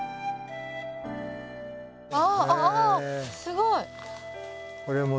あすごい。